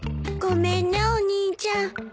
ごめんねお兄ちゃん。